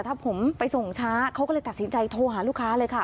ถ้าผมไปส่งช้าเขาก็เลยตัดสินใจโทรหาลูกค้าเลยค่ะ